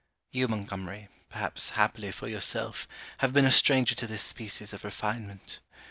You, Montgomery, perhaps happily for yourself, have been a stranger to this species of refinement.